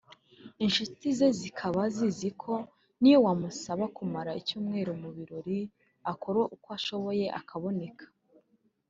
inshuti ze ziba zizi ko n’iyo wamusaba kumara icyumweru mu birori akora uko ashoboye akaboneka